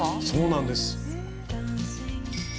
そうなんです。